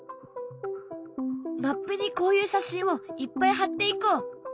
マップにこういう写真をいっぱい貼っていこう。